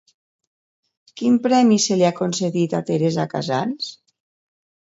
Quin premi se li ha concedit a Teresa Casals?